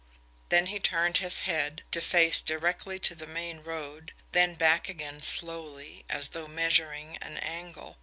Then he turned his head, to face directly to the main road, then back again slowly, as though measuring an angle.